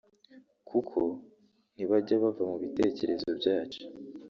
kuko ntibajya bava mu bitekerezo byacu